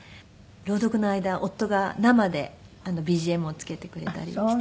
朗読の間夫が生でＢＧＭをつけてくれたりして。